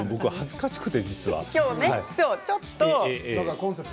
僕、恥ずかしくて。